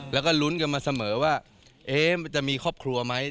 แล้วก็ลุ้นกันมาเสมอว่ามันจะมีครอบครัวไหม